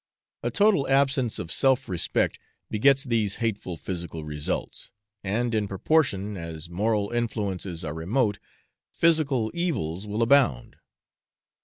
A total absence of self respect begets these hateful physical results, and in proportion as moral influences are remote, physical evils will abound.